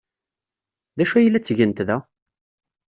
D acu ay la ttgent da?